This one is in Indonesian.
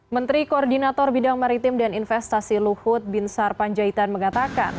menteri koordinator bidang maritim dan investasi luhut binsar panjaitan mengatakan